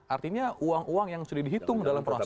artinya uang uang yang sudah dihitung dalam proses ini